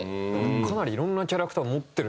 かなりいろんなキャラクターを持ってるんだなって。